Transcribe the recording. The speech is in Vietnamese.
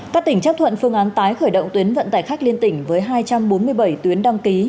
các tỉnh chấp thuận phương án tái khởi động tuyến vận tải khách liên tỉnh với hai trăm bốn mươi bảy tuyến đăng ký